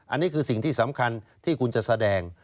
อันนี้คือสิ่งที่สำคัญที่คุณจะแสดง